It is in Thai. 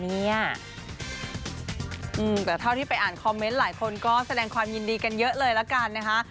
แต่เท่าที่ไปอ่านคอมเมนต์หลายคนก็แสดงความยินดีกันเยอะเลยละกันนะคะ